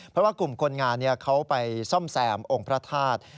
เพราะว่ากลุ่มคนงานเขาไปซ่อมแซมองค์พระธาตุ